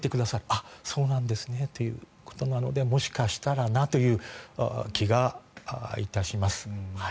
あっ、そうなんですねということなのでもしかしたらなという気がいたします。